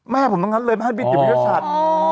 แม่ผมเหมือนกันเลยมาให้บิจจัด